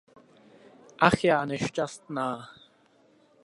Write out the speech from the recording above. Ach já nešťastná!